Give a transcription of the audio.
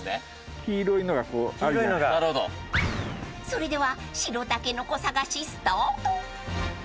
［それでは白たけのこ探しスタート！］